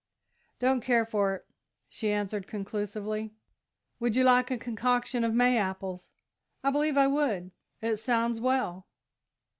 "Don't care for it," she answered conclusively. "Would you like a concoction of May apples?" "I believe I would it sounds well."